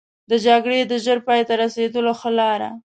د جګړې د ژر پای ته رسولو ښه لاره.